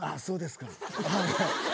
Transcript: そうですか。